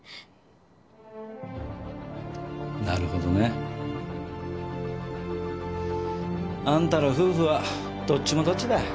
なるほどね。あんたら夫婦はどっちもどっちだ。